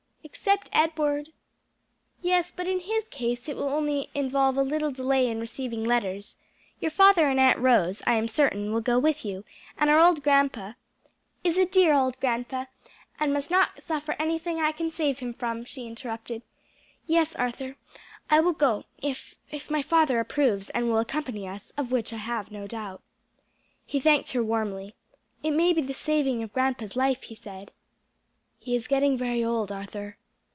"Except Edward." "Yes, but in his case it will only involve a little delay in receiving letters. Your father and Aunt Rose I am certain will go with you. And our old grandpa " "Is a dear old grandpa, and must not suffer anything I can save him from," she interrupted. "Yes, Arthur, I will go, if if my father approves and will accompany us, of which I have no doubt." He thanked her warmly. "It may be the saving of grandpa's life," he said. "He is getting very old, Arthur."